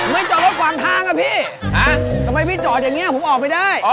จอดรถขวางทางอ่ะพี่ทำไมพี่จอดอย่างนี้ผมออกไปได้